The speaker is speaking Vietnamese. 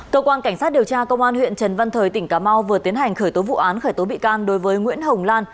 cơ quan cảnh sát điều tra công an huyện trần văn thời tỉnh cà mau vừa tiến hành khởi tố vụ án khởi tố bị can đối với nguyễn hồng lan